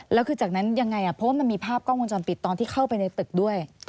และไหนยังไงเพราะมันมีภาพกล้องมวงจรปิดตอนที่เข้าไปในตึกด้วย